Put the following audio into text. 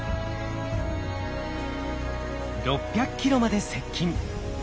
６００キロまで接近。